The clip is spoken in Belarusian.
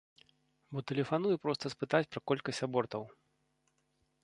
Бо тэлефаную проста спытаць пра колькасць абортаў.